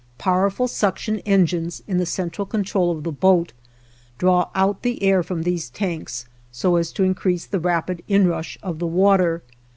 Powerful suction engines, in the central control of the boat, draw out the air from these tanks so as to increase the rapid inrush of the water.